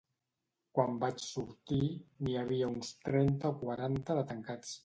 Quan vaig sortir n’hi havia uns trenta o quaranta de tancats.